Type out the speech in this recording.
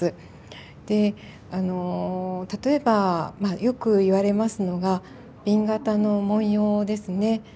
例えばまあよく言われますのが紅型の文様ですね。